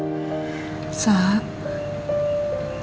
kau aku tahu aku mau mencoba